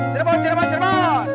serban serban serban